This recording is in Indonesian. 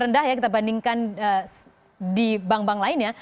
rendah ya kita bandingkan di bank bank lainnya